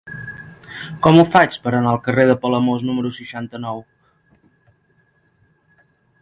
Com ho faig per anar al carrer de Palamós número seixanta-nou?